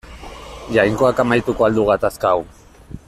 Jainkoak amaituko al du gatazka hau.